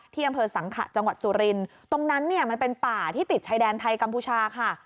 ที่อำเภอสังขะจังหวัดสุรินตรงนั้นเนี่ยมันเป็นป่าที่ติดชายแดนไทยกัมพูชาค่ะ